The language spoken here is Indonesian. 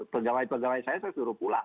pegawai pegawai saya saya suruh pulang